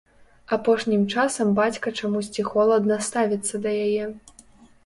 Апошнім часам бацька чамусьці холадна ставіцца да яе.